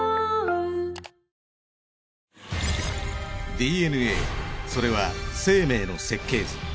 ＤＮＡそれは生命の設計図。